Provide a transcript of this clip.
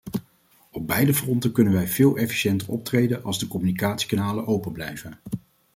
Op beide fronten kunnen wij veel efficiënter optreden als de communicatiekanalen open blijven.